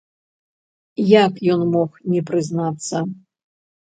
Як ён мог не прызнацца?!